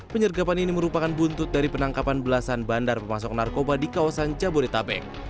penyergapan ini merupakan buntut dari penangkapan belasan bandar pemasok narkoba di kawasan jabodetabek